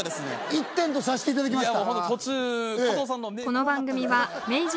１点とさせていただきました。